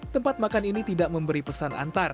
tempat makan ini tidak memberi pesan antar